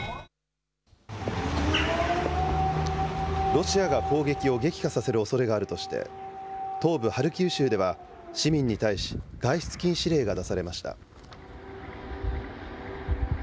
ロシアが攻撃を激化させるおそれがあるとして、東部ハルキウ州では市民に対し、外出禁止令が出されました。